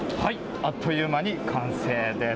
あっという間に完成です。